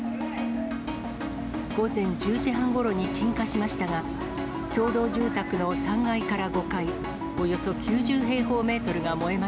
午前１０時半ごろに鎮火しましたが、共同住宅の３階から５階、およそ９０平方メートルが燃えま